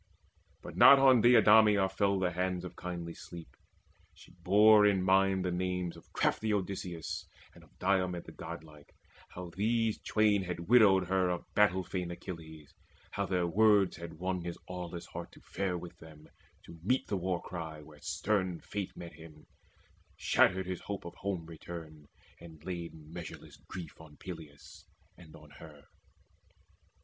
But not on Deidameia fell the hands Of kindly sleep. She bore in mind the names Of crafty Odysseus and of Diomede The godlike, how these twain had widowed her Of battle fain Achilles, how their words Had won his aweless heart to fare with them To meet the war cry where stern Fate met him, Shattered his hope of home return, and laid Measureless grief on Peleus and on her.